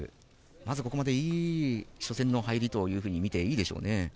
まずここまでいい初戦の入りとみていいでしょうね。